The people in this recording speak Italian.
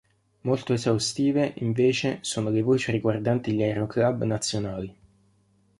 Molto esaustive invece sono le voci riguardanti gli Aeroclub nazionali.